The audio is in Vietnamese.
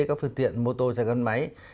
các phương tiện mô tô xe gắn máy